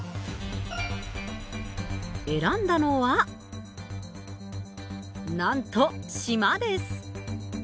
選んだのはなんと島です！